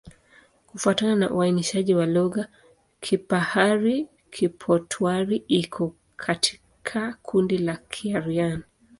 Kufuatana na uainishaji wa lugha, Kipahari-Kipotwari iko katika kundi la Kiaryan.